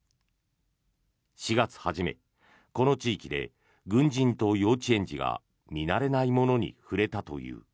４月初め、この地域で軍人と幼稚園児が見慣れないものに触れたという。